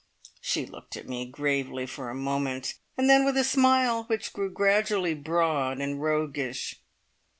She looked at me gravely for a moment, then with a smile which grew gradually broad and roguish.